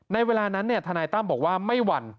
ในเวลานั้นทนายตั้มบอกว่าไม่หวั่น